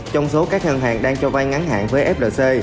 trong số các ngân hàng đang cho vay ngắn hạn với flc